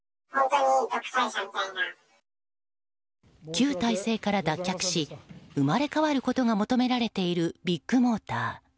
旧体制から脱却し生まれ変わることが求められているビッグモーター。